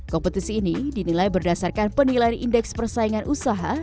kompetisi ini dinilai berdasarkan penilaian indeks persaingan usaha